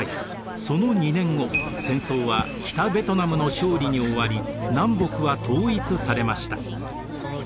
その２年後戦争は北ベトナムの勝利に終わり南北は統一されました。